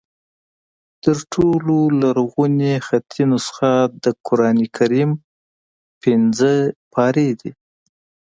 تر ټولو لرغونې خطي نسخه د قرآن کریم پنځه پارې دي.